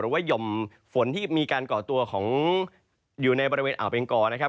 หรือว่าหย่อมฝนที่มีการก่อตัวอยู่ในบริเวณอาวุธแมงก่อ